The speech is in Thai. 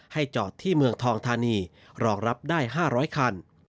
จอดที่เมืองทองธานีรองรับได้๕๐๐คัน